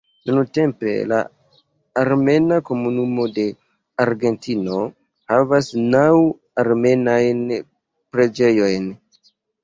Nuntempe la armena komunumo de Argentino havas naŭ armenajn preĝejojn.